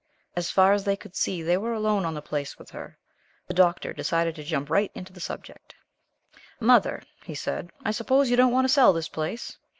As far as they could see, they were alone on the place with her. The Doctor decided to jump right into the subject. "Mother," he said, "I suppose you don't want to sell this place?"